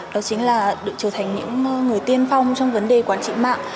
đó chính là trở thành những người tiên phong trong vấn đề quản trị mạng